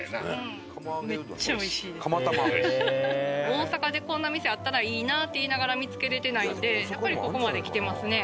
大阪でこんな店あったらいいなって言いながら見つけれてないんでやっぱり。